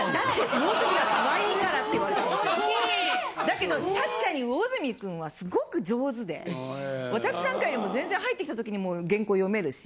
だけどたしかに魚住くんはすごく上手で私なんかよりも全然入ってきた時にもう原稿読めるし。